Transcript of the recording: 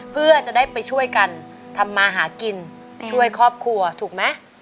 เพื่อจะได้ไปช่วยกันทำมาหากินช่วยครอบครัวถูกไหม